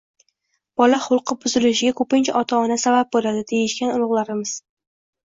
Bola xulqi buzilishiga ko‘pincha ota-ona sabab bo‘ladi, deyishgan ulug'larimiz.